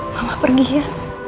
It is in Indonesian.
mama pergi ya